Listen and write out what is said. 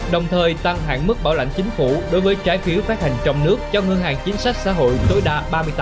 hai nghìn hai mươi một đồng thời tăng hạn mức bảo lãnh chính phủ đối với trái phiếu phát hành trong nước cho ngân hàng chính sách xã hội tối đa